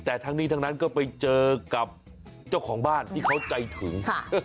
แต่ทั้งนี้ทั้งนั้นก็ไปเจอกับเจ้าของบ้านที่เขาใจถึง